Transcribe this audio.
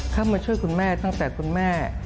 เข้ามาช่วยคุณแม่ตั้งแต่คุณแม่